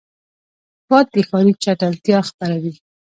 باد د ښاري چټلتیا خپروي